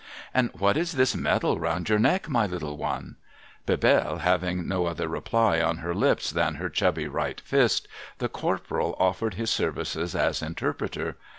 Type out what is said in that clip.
' And what is this medal round your neck, my little one ?' Bebelle having no other reply on her lips than her chubby right fist, the Corporal oftered his services as interj)reter.